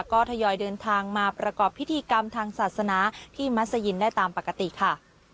ก็ทยอยเดินทางมาประกอบพิธีกรรมทางศาสนาที่มัศยินได้ตามปกติค่ะ